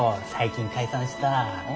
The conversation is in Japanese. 最近解散した。